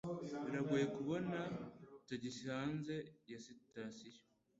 Biragoye kubona tagisi hanze ya sitasiyo.